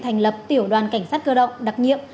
thành lập tiểu đoàn cảnh sát cơ động đặc nhiệm